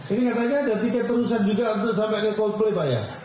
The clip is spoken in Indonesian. ini katanya ada tiket terusan juga untuk sampai ke coldplay pak ya